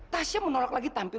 tasya menolak lagi tampil